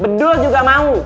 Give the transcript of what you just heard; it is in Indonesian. bedul juga mau